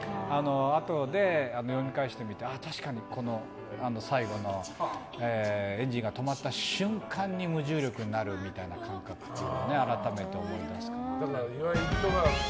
あとで読み返してみて確かに最後のエンジンが止まった瞬間に無重力になるみたいなただいま！